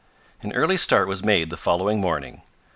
An early start was made the following morning.